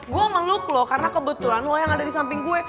gue meluk loh karena kebetulan lo yang ada di samping gue